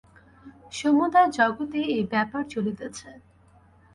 সমুদয় জগতেই এই ব্যাপার চলিতেছে।